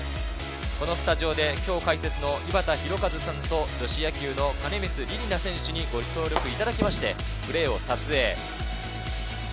このスタジオで今日解説の井端弘和さんと女子野球の金満梨々那選手にご協力いただきまして、プレーを撮影。